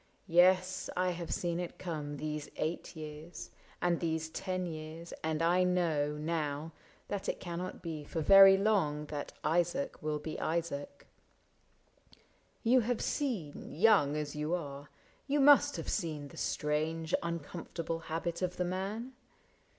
... Yes, I have seen It come These eight years, and these ten years, and I know Now that it cannot be for very long 96 ISAAC AND ARCHIBALD That Isaac will be Isaac. You have seen — Young as you are, you must have seen the strange Uncomfortable habit of the man